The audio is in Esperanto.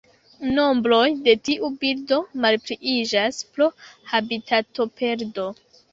Nombroj de tiu birdo malpliiĝas pro habitatoperdo.